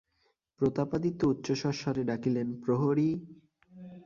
প্রতাপাদিত্য উচ্চতর স্বরে ডাকিলেন, প্রহরী।